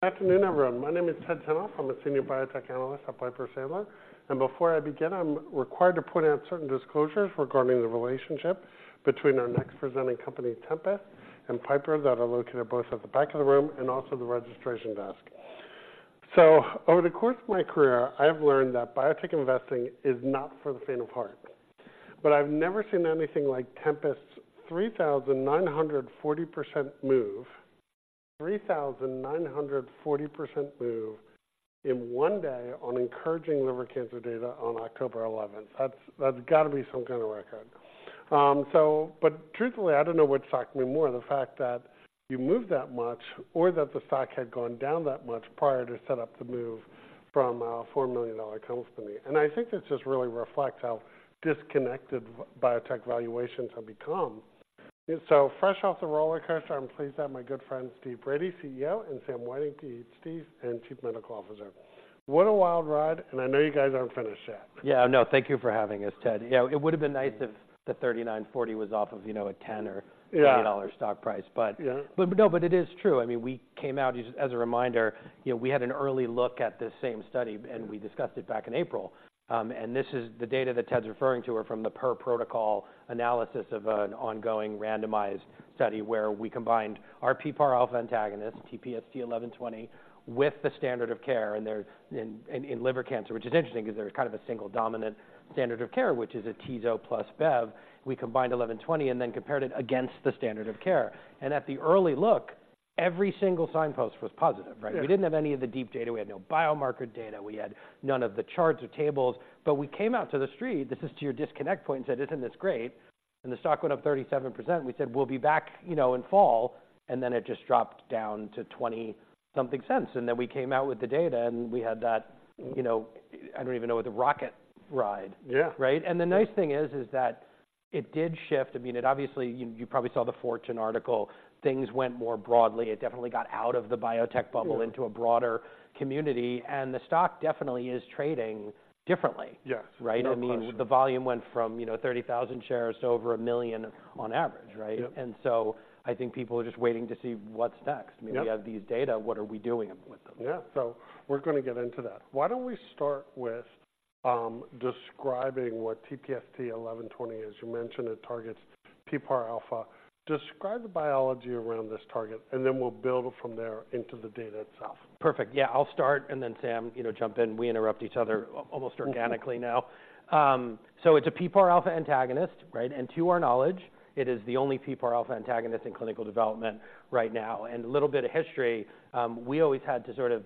Good afternoon, everyone. My name is Ted Tenthoff. I'm a senior biotech analyst at Piper Sandler, and before I begin, I'm required to point out certain disclosures regarding the relationship between our next presenting company, Tempest, and Piper, that are located both at the back of the room and also the registration desk. So over the course of my career, I've learned that biotech investing is not for the faint of heart, but I've never seen anything like Tempest's 3,940% move. 3,940% move in one day on encouraging liver cancer data on October 11th. That's, that's got to be some kind of record. But truthfully, I don't know what shocked me more, the fact that you moved that much or that the stock had gone down that much prior to set up the move from a $4 million company. I think this just really reflects how disconnected the biotech valuations have become. Fresh off the rollercoaster, I'm pleased to have my good friend, Steve Brady, CEO, and Sam Whiting, Ph.D. and Chief Medical Officer. What a wild ride, and I know you guys aren't finished yet. Yeah. No, thank you for having us, Ted. Yeah, it would have been nice if the 39-40 was off of, you know, a 10 or- Yeah.... $20 stock price. Yeah. But, no, but it is true. I mean, we came out as a reminder. You know, we had an early look at this same study, and we discussed it back in April. And this is the data that Ted's referring to are from the per protocol analysis of an ongoing randomized study where we combined our PPARα antagonist, TPST-1120, with the standard of care, and there's in liver cancer, which is interesting because there's kind of a single dominant standard of care, which is atezo plus bev. We combined 1120 and then compared it against the standard of care. At the early look, every single signpost was positive, right? Yeah. We didn't have any of the deep data. We had no biomarker data. We had none of the charts or tables, but we came out to the street, this is to your disconnect point, and said, "Isn't this great?" And the stock went up 37%. We said, "We'll be back, you know, in fall," and then it just dropped down to $0.20-something. And then we came out with the data, and we had that, you know, I don't even know what the rocket ride- Yeah. Right? And the nice thing is that it did shift. I mean, it obviously, you probably saw the Fortune article. Things went more broadly. It definitely got out of the biotech bubble- Yeah.... into a broader community, and the stock definitely is trading differently. Yes. Right? No question. I mean, the volume went from, you know, 30,000 shares to over 1 million on average, right? Yep. I think people are just waiting to see what's next. Yeah. I mean, we have these data. What are we doing with them? Yeah. So we're gonna get into that. Why don't we start with describing what TPST-1120 is? You mentioned it targets PPARα. Describe the biology around this target, and then we'll build from there into the data itself. Perfect. Yeah, I'll start, and then Sam, you know, jump in. We interrupt each other almost organically now. So it's a PPARα antagonist, right? And to our knowledge, it is the only PPARα antagonist in clinical development right now. And a little bit of history, we always had to sort of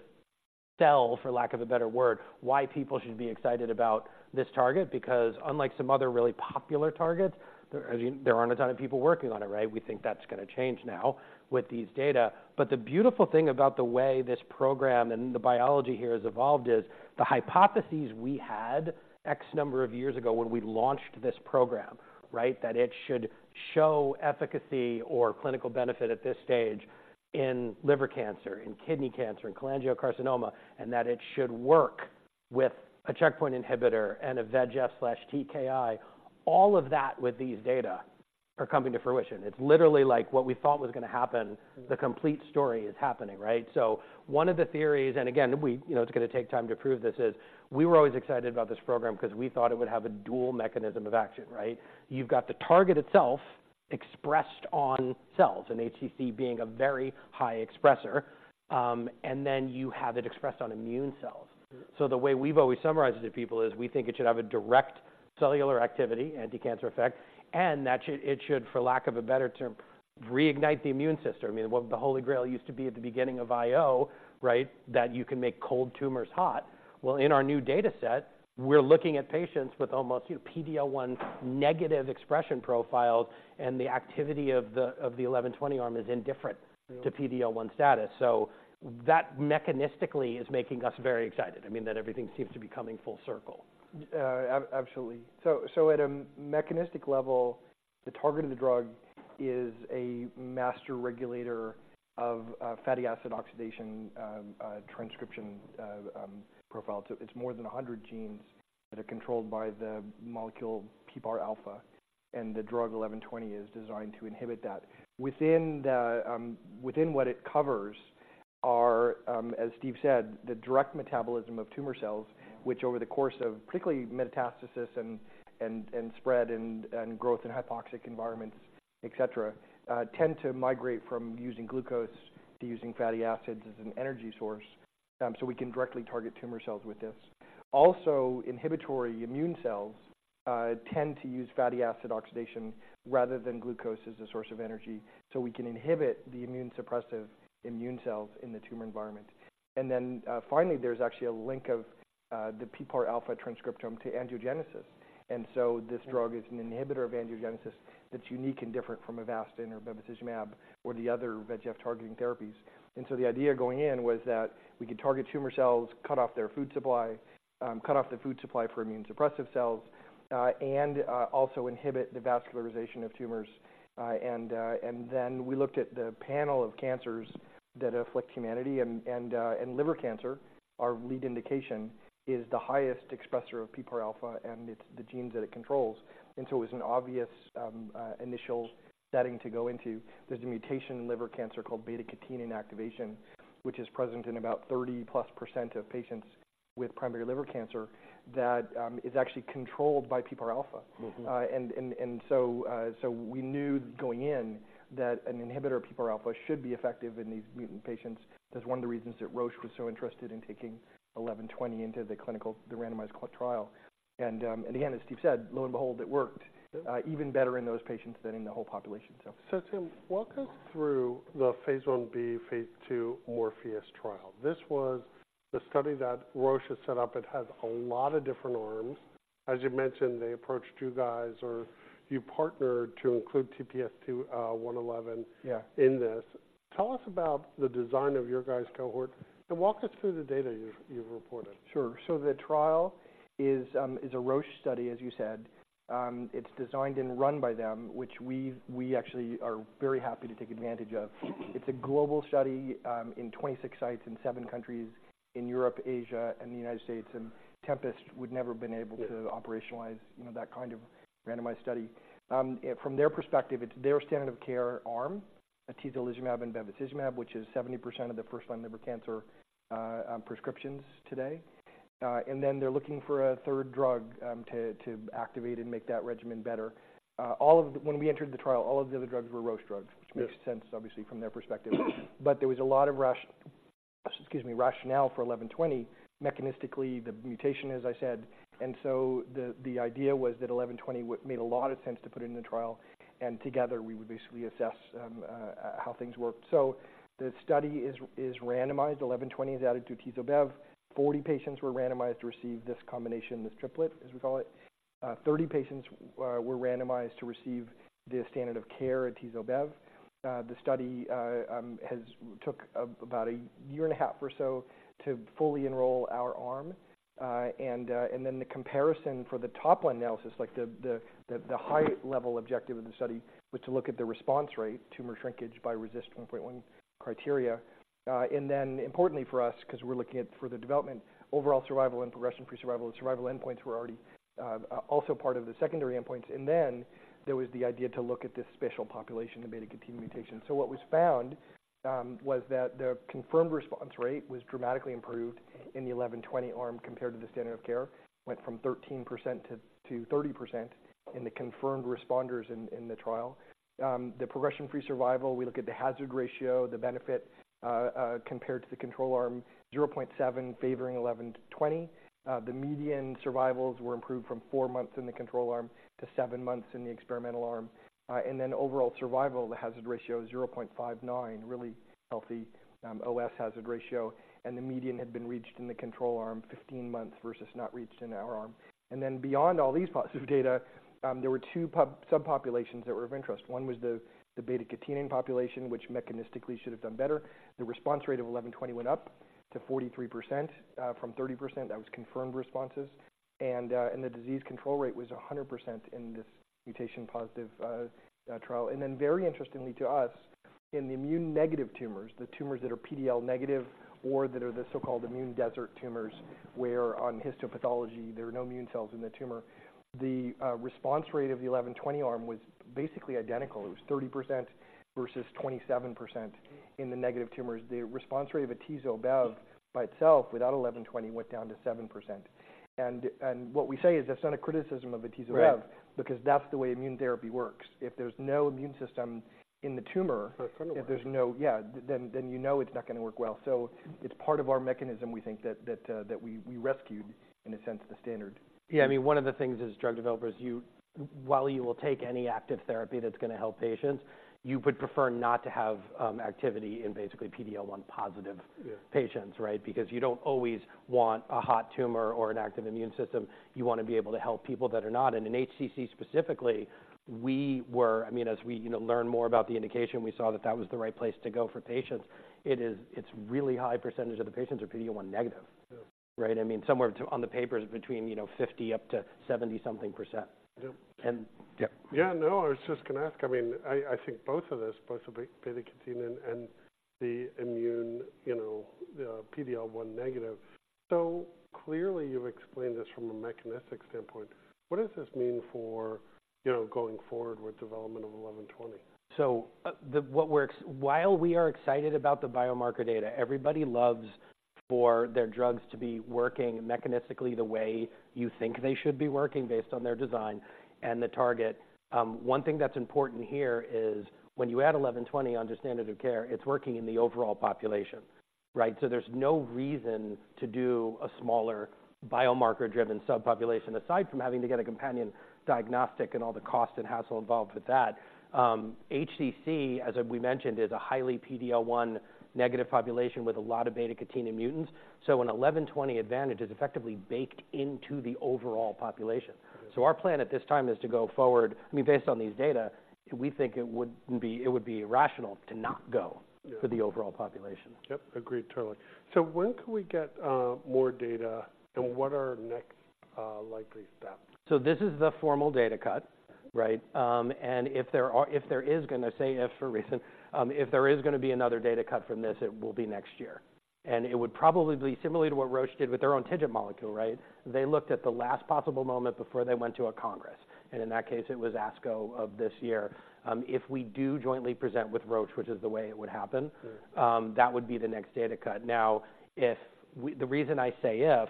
sell, for lack of a better word, why people should be excited about this target. Because unlike some other really popular targets, there, there aren't a ton of people working on it, right? We think that's gonna change now with these data. But the beautiful thing about the way this program and the biology here has evolved is the hypotheses we had X number of years ago when we launched this program, right? That it should show efficacy or clinical benefit at this stage in liver cancer, in kidney cancer, in cholangiocarcinoma, and that it should work with a checkpoint inhibitor and a VEGF/TKI. All of that with these data are coming to fruition. It's literally like what we thought was gonna happen, the complete story is happening, right? So one of the theories, and again, we... You know, it's gonna take time to prove this, is we were always excited about this program 'cause we thought it would have a dual mechanism of action, right? You've got the target itself expressed on cells, and HCC being a very high expressor, and then you have it expressed on immune cells. Mm-hmm. So the way we've always summarized it to people is we think it should have a direct cellular activity, anticancer effect, and that should, it should, for lack of a better term, reignite the immune system. I mean, what the holy grail used to be at the beginning of IO, right? That you can make cold tumors hot. Well, in our new data set, we're looking at patients with almost, you know, PD-L1 negative expression profiles, and the activity of the 1120 arm is indifferent- Yeah... to PD-L1 status. So that mechanistically is making us very excited. I mean, that everything seems to be coming full circle. Absolutely. So at a mechanistic level, the target of the drug is a master regulator of fatty acid oxidation transcription profile. So it's more than 100 genes that are controlled by the molecule PPARα, and the drug 1120 is designed to inhibit that. Within what it covers are, as Steve said, the direct metabolism of tumor cells- Mm-hmm... which over the course of particularly metastasis and spread and growth in hypoxic environments, et cetera, tend to migrate from using glucose to using fatty acids as an energy source. So we can directly target tumor cells with this. Also, inhibitory immune cells tend to use fatty acid oxidation rather than glucose as a source of energy, so we can inhibit the immune suppressive immune cells in the tumor environment. And then, finally, there's actually a link of the PPARα transcriptome to angiogenesis, and so this drug is an inhibitor of angiogenesis that's unique and different from Avastin or bevacizumab or the other VEGF-targeting therapies. And so the idea going in was that we could target tumor cells, cut off their food supply, cut off the food supply for immune suppressive cells, and then we looked at the panel of cancers that afflict humanity and liver cancer, our lead indication, is the highest expressor of PPARα and it's the genes that it controls. And so it was an obvious initial setting to go into. There's a mutation in liver cancer called beta-catenin activation, which is present in about 30%+ of patients with primary liver cancer that is actually controlled by PPARα. Mm-hmm. So we knew going in that an inhibitor of PPARα should be effective in these mutant patients. That's one of the reasons that Roche was so interested in taking 1120 into the randomized clinical trial. And again, as Steve said, lo and behold, it worked even better in those patients than in the whole population. So- So Tim, walk us through the phase I-b, phase II MORPHEUS trial. This was the study that Roche has set up. It has a lot of different arms. As you mentioned, they approached you guys, or you partnered to include TPST-1120- Yeah Tell us about the design of your guys' cohort, and walk us through the data you've reported. Sure. So the trial is a Roche study, as you said. It's designed and run by them, which we actually are very happy to take advantage of. It's a global study in 26 sites in seven countries, in Europe, Asia, and the United States, and Tempest would never been able to- Yeah... operationalize, you know, that kind of randomized study. From their perspective, it's their standard of care arm, atezolizumab and bevacizumab, which is 70% of the first-line liver cancer prescriptions today. And then they're looking for a third drug to activate and make that regimen better. When we entered the trial, all of the other drugs were Roche drugs- Yeah Which makes sense, obviously, from their perspective. But there was a lot of rationale for 1120. Mechanistically, the mutation, as I said, and so the idea was that 1120 made a lot of sense to put it in the trial, and together we would basically assess how things worked. So the study is randomized. 1120 is added to atezo-bev. 40 patients were randomized to receive this combination, this triplet, as we call it. 30 patients were randomized to receive the standard of care, atezo-bev. The study took about a year and a half or so to fully enroll our arm. Then the comparison for the top-line analysis, like the high level objective of the study, was to look at the response rate, tumor shrinkage by RECIST v1.1 criteria. And then importantly for us, 'cause we're looking at for the development, overall survival and progression-free survival. The survival endpoints were already also part of the secondary endpoints. And then there was the idea to look at this special population, the beta-catenin mutation. So what was found was that the confirmed response rate was dramatically improved in the 1120 arm compared to the standard of care. Went from 13%-30% in the confirmed responders in the trial. The progression-free survival, we look at the hazard ratio, the benefit compared to the control arm, 0.7 favoring 1120. The median survivals were improved from four months in the control arm to seven months in the experimental arm. And then overall survival, the hazard ratio is 0.59, really healthy OS hazard ratio, and the median had been reached in the control arm 15 months versus not reached in our arm. And then beyond all these positive data, there were two subpopulations that were of interest. One was the beta-catenin population, which mechanistically should have done better. The response rate of TPST-1120 went up to 43%-30%. That was confirmed responses, and the disease control rate was 100% in this mutation positive trial. And then, very interestingly to us, in the immune-negative tumors, the tumors that are PD-L1 negative or that are the so-called immune desert tumors, where on histopathology, there are no immune cells in the tumor, the response rate of the 1120 arm was basically identical. It was 30% versus 27% in the negative tumors. The response rate of atezo-bev by itself, without 1120, went down to 7%. And what we say is that's not a criticism of atezo-bev- Right because that's the way immune therapy works. If there's no immune system in the tumor- For a tumor. If there's no... Yeah, then you know it's not gonna work well. So it's part of our mechanism, we think that we rescued, in a sense, the standard. Yeah, I mean, one of the things as drug developers, while you will take any active therapy that's gonna help patients, you would prefer not to have activity in basically PD-L1 positive- Yeah Patients, right? Because you don't always want a hot tumor or an active immune system. You want to be able to help people that are not. And in HCC specifically, we were... I mean, as we, you know, learn more about the indication, we saw that that was the right place to go for patients. It is, it's really high percentage of the patients are PD-L1 negative. Yeah. Right? I mean, somewhere on the papers, between, you know, 50%-70-something%. Yep. And, yeah. Yeah, no, I was just gonna ask. I mean, I think both of this, both the beta-catenin and the immune, you know, the PD-L1 negative. So clearly, you've explained this from a mechanistic standpoint. What does this mean for, you know, going forward with development of TPST-1120? While we are excited about the biomarker data, everybody loves for their drugs to be working mechanistically the way you think they should be working based on their design and the target. One thing that's important here is when you add 1120 onto standard of care, it's working in the overall population, right? So there's no reason to do a smaller biomarker-driven subpopulation, aside from having to get a companion diagnostic and all the cost and hassle involved with that. HCC, as we mentioned, is a highly PD-L1 negative population with a lot of beta-catenin mutants, so an 1120 advantage is effectively baked into the overall population. Yeah. Our plan at this time is to go forward. I mean, based on these data, we think it would be, it would be irrational to not go- Yeah - for the overall population. Yep, agreed totally. So when can we get more data, and what are our next likely steps? So this is the formal data cut, right? And if there is gonna be another data cut from this, it will be next year. And it would probably be similar to what Roche did with their own TIGIT molecule, right? They looked at the last possible moment before they went to a congress, and in that case, it was ASCO of this year. If we do jointly present with Roche, which is the way it would happen- Sure... that would be the next data cut. Now, if we, the reason I say if,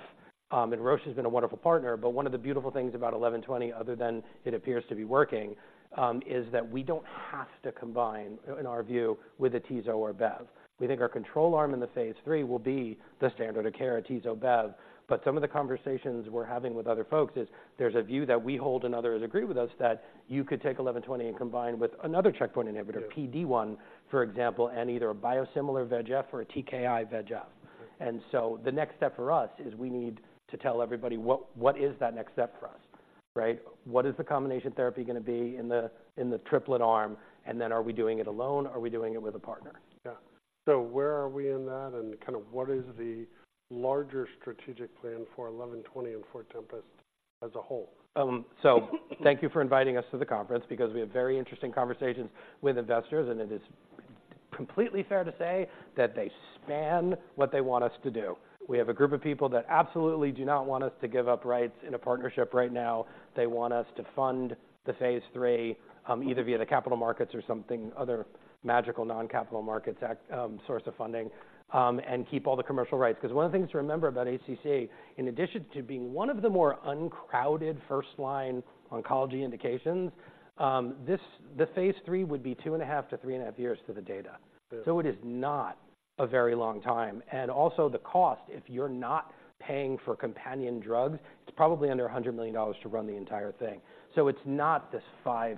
and Roche has been a wonderful partner, but one of the beautiful things about 1120, other than it appears to be working, is that we don't have to combine, in our view, with Atezo or Bev. We think our control arm in the phase III will be the standard of care, Atezo, Bev. But some of the conversations we're having with other folks is there's a view that we hold, and others agree with us, that you could take 1120 and combine with another checkpoint inhibitor- Yeah. PD-1, for example, and either a biosimilar VEGF or a TKI VEGF. And so the next step for us is we need to tell everybody what, what is that next step for us, right? What is the combination therapy gonna be in the, in the triplet arm? And then are we doing it alone? Are we doing it with a partner? Yeah. Where are we in that? Kind of, what is the larger strategic plan for TPST-1120 and for Tempest as a whole? So thank you for inviting us to the conference because we have very interesting conversations with investors, and it is completely fair to say that they span what they want us to do. We have a group of people that absolutely do not want us to give up rights in a partnership right now. They want us to fund the phase III, either via the capital markets or something, other magical non-capital markets act, source of funding, and keep all the commercial rights. 'Cause one of the things to remember about HCC, in addition to being one of the more uncrowded first-line oncology indications, the phase III would be 2.5-3.5 years to the data. Yeah. So it is not a very long time. And also the cost, if you're not paying for companion drugs, it's probably under $100 million to run the entire thing. So it's not this 5+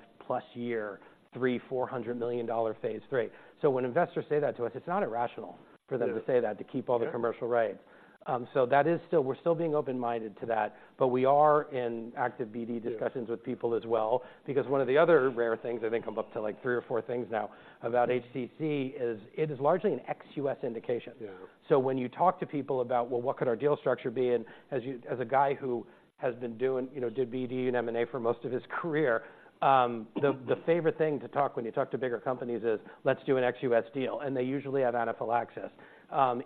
year, $300-$400 million phase III. So when investors say that to us, it's not irrational- Yeah... for them to say that, to keep all the commercial rights. Yeah. So that is still. We're still being open-minded to that, but we are in active BD discussions- Yeah... with people as well, because one of the other rare things, I think I'm up to like three or four things now, about HCC is it is largely an ex-U.S. indication. Yeah. So when you talk to people about, "Well, what could our deal structure be?" And as a guy who has been doing, you know, did BD and M&A for most of his career, the favorite thing to talk when you talk to bigger companies is, "Let's do an ex-U.S. deal," and they usually have anaphylaxis.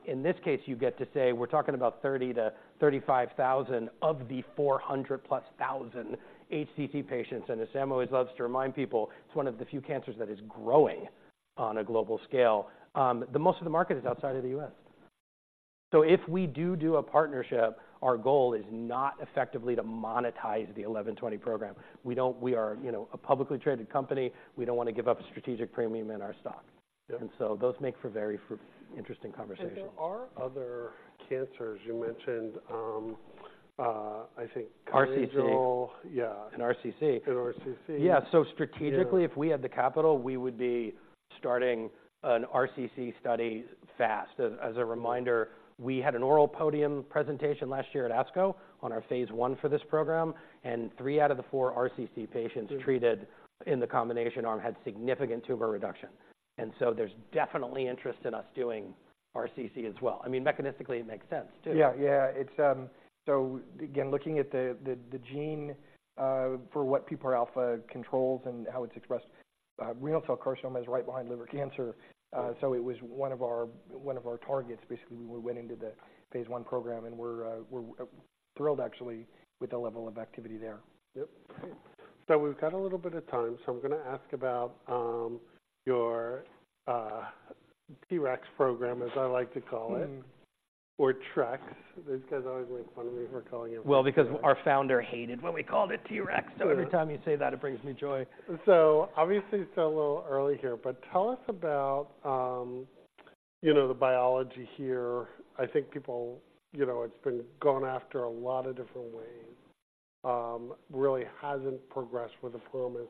In this case, you get to say, we're talking about 30,000-35,000 of the 400+ thousand HCC patients, and as Sam always loves to remind people, it's one of the few cancers that is growing on a global scale. The most of the market is outside of the U.S. So if we do do a partnership, our goal is not effectively to monetize the 1120 program. We don't, we are, you know, a publicly traded company. We don't want to give up a strategic premium in our stock. Yeah. And so those make for very interesting conversations. There are other cancers you mentioned, I think- RCC. Yeah. And RCC. And RCC. Yeah. So strategically- Yeah... if we had the capital, we would be starting an RCC study fast. As a reminder, we had an oral podium presentation last year at ASCO on our phase I for this program, and three out of the four RCC patients- Yeah... treated in the combination arm had significant tumor reduction. And so there's definitely interest in us doing RCC as well. I mean, mechanistically, it makes sense, too. Yeah. Yeah. It's... So again, looking at the gene for what PPARα controls and how it's expressed, renal cell carcinoma is right behind liver cancer. Yeah. So it was one of our, one of our targets. Basically, we went into the phase I program, and we're, we're thrilled, actually, with the level of activity there. Yep. Great. So we've got a little bit of time, so I'm gonna ask about your T-Rex program, as I like to call it. Mm-hmm. Or TREX. These guys always make fun of me for calling it- Well, because our founder hated when we called it T-Rex, so every time you say that, it brings me joy. So obviously, it's a little early here, but tell us about, you know, the biology here. I think people... You know, it's been gone after a lot of different ways, really hasn't progressed with the promise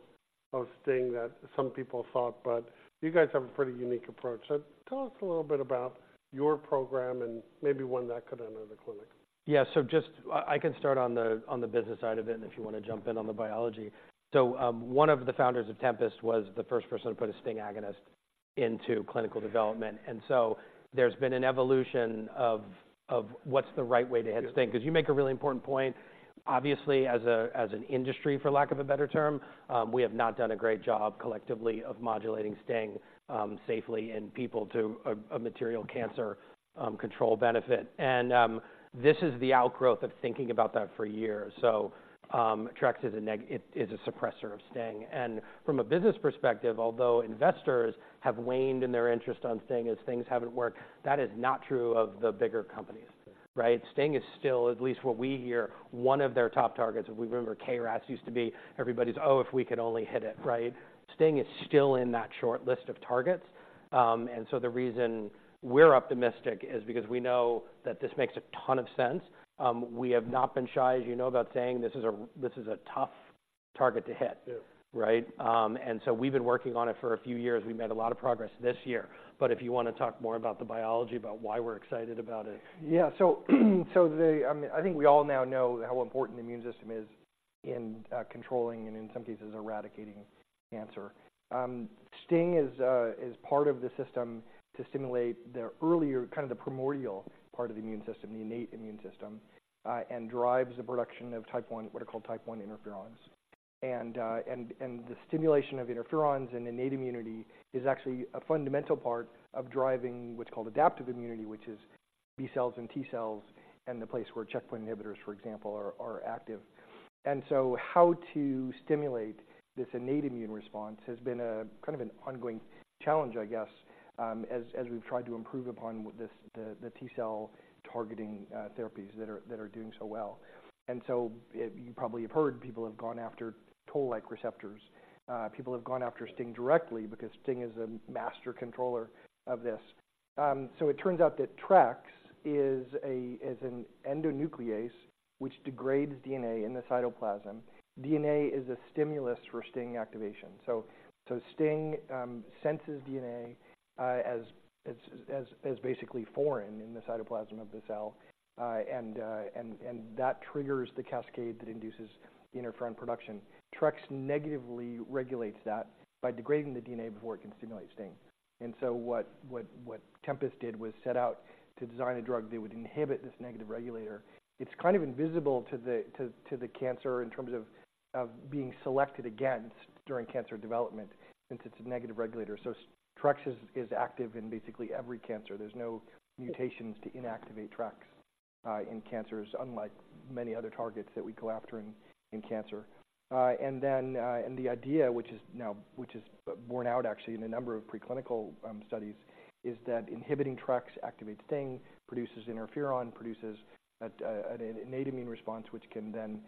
of STING that some people thought, but you guys have a pretty unique approach. So tell us a little bit about your program and maybe when that could enter the clinic. Yeah. So just... I can start on the business side of it, and if you wanna jump in on the biology. So, one of the founders of Tempest was the first person to put a STING agonist into clinical development, and so there's been an evolution of what's the right way to hit STING. Yeah. 'Cause you make a really important point. Obviously, as a, as an industry, for lack of a better term, we have not done a great job collectively of modulating STING safely in people to a material cancer control benefit. And this is the outgrowth of thinking about that for years. So, TREX1 is a suppressor of STING. And from a business perspective, although investors have waned in their interest on STING as things haven't worked, that is not true of the bigger companies, right? STING is still, at least what we hear, one of their top targets. If we remember, KRAS used to be everybody's, "Oh, if we could only hit it," right? STING is still in that short list of targets. And so the reason we're optimistic is because we know that this makes a ton of sense. We have not been shy, as you know, about saying this is a, this is a tough target to hit. Yeah. Right? And so we've been working on it for a few years. We've made a lot of progress this year, but if you wanna talk more about the biology, about why we're excited about it. Yeah. So the... I mean, I think we all now know how important the immune system is in, controlling and in some cases, eradicating cancer. STING is part of the system to stimulate the earlier, kind of the primordial part of the immune system, the innate immune system, and drives the production of type one, what are called type one interferons. And the stimulation of interferons and innate immunity is actually a fundamental part of driving what's called adaptive immunity, which is B cells and T cells, and the place where checkpoint inhibitors, for example, are active.... And so how to stimulate this innate immune response has been a kind of an ongoing challenge, I guess, as we've tried to improve upon what this, the T cell targeting, therapies that are doing so well. You probably have heard people have gone after toll-like receptors. People have gone after STING directly, because STING is a master controller of this. It turns out that TREX is an endonuclease, which degrades DNA in the cytoplasm. DNA is a stimulus for STING activation. STING senses DNA as basically foreign in the cytoplasm of the cell, and that triggers the cascade that induces interferon production. TREX negatively regulates that by degrading the DNA before it can stimulate STING. What Tempest did was set out to design a drug that would inhibit this negative regulator. It's kind of invisible to the cancer in terms of being selected against during cancer development, since it's a negative regulator. So TREX1 is active in basically every cancer. There's no mutations to inactivate TREX1 in cancers, unlike many other targets that we go after in cancer. And then... And the idea, which is now borne out actually in a number of preclinical studies, is that inhibiting TREX1 activates STING, produces interferon, produces an innate immune response, which can then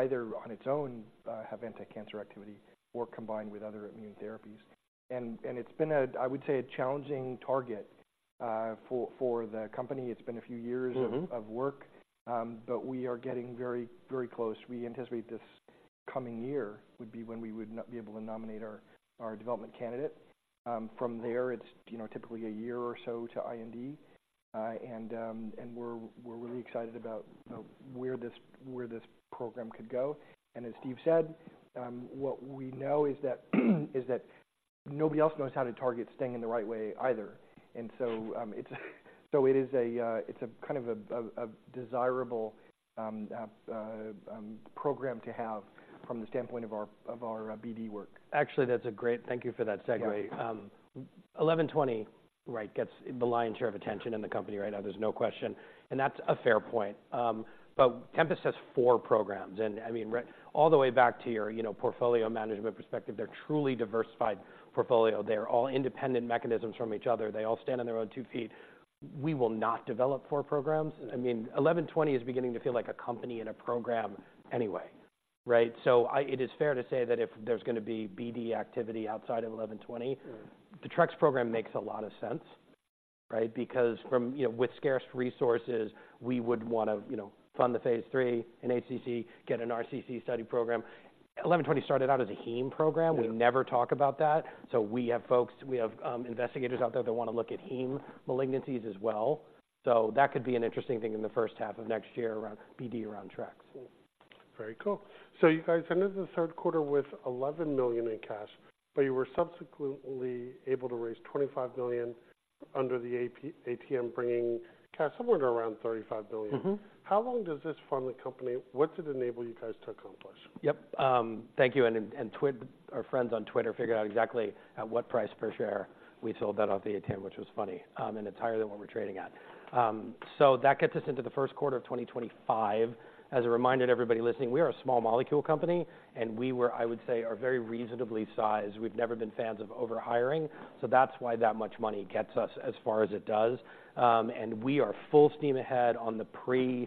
either on its own have anticancer activity or combined with other immune therapies. And it's been, I would say, a challenging target for the company. It's been a few years- Mm-hmm... of work, but we are getting very, very close. We anticipate this coming year would be when we would not be able to nominate our development candidate. From there, it's, you know, typically a year or so to IND, and we're really excited about where this program could go. And as Steve said, what we know is that nobody else knows how to target STING in the right way either. And so, it's so it is a kind of a desirable program to have from the standpoint of our BD work. Actually, that's a great... Thank you for that segue. Yeah. 1120, right, gets the lion's share of attention in the company right now. There's no question, and that's a fair point. But Tempest has four programs, and I mean, right, all the way back to your, you know, portfolio management perspective, they're truly diversified portfolio. They're all independent mechanisms from each other. They all stand on their own two feet. We will not develop four programs. Yeah. I mean, 1120 is beginning to feel like a company and a program anyway, right? So it is fair to say that if there's going to be BD activity outside of 1120- Yeah... the TREX program makes a lot of sense, right? Because from, you know, with scarce resources, we would want to, you know, fund the phase III in HCC, get an RCC study program. 1120 started out as a heme program. Yeah. We never talk about that. So we have folks, we have, investigators out there that want to look at heme malignancies as well. So that could be an interesting thing in the first half of next year around BD, around TREX. Yeah. Very cool. So you guys ended the third quarter with $11 million in cash, but you were subsequently able to raise $25 million under the ATM, bringing cash somewhere to around $35 million. Mm-hmm. How long does this fund the company? What does it enable you guys to accomplish? Yep, thank you, and Twitter, our friends on Twitter, figured out exactly at what price per share we sold out of the ATM, which was funny, and entirely what we're trading at. So that gets us into the first quarter of 2025. As a reminder to everybody listening, we are a small molecule company, and we were, I would say, are very reasonably sized. We've never been fans of overhiring, so that's why that much money gets us as far as it does. And we are full steam ahead on the pre,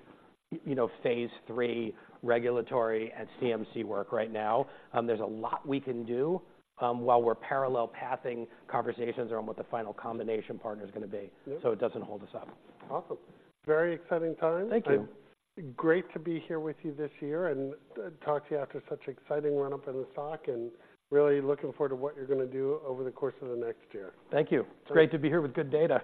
you know, phase III regulatory and CMC work right now. There's a lot we can do while we're parallel pathing conversations on what the final combination partner is going to be- Yep... so it doesn't hold us up. Awesome. Very exciting time. Thank you. Great to be here with you this year and, talk to you after such an exciting run-up in the stock, and really looking forward to what you're going to do over the course of the next year. Thank you. It's great to be here with good data.